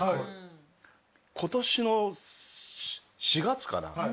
今年の４月かな？